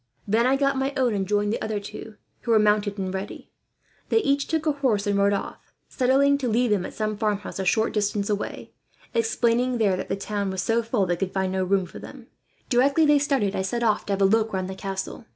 Then I got my own and joined the other two, who were mounted and ready. They each took a horse and rode off, settling to leave them at some farmhouse a short distance away, explaining there that the town was so full they could find no room for them. "Directly they had started, I set off to have a look round the castle.